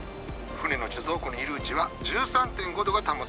船の貯蔵庫にいるうちは１３．５度が保たれていたよね。